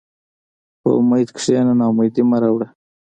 په امید کښېنه، ناامیدي مه راوړه.